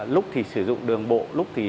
lúc thì sử dụng đường bộ lúc thì